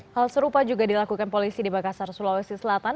hal serupa juga dilakukan polisi di makassar sulawesi selatan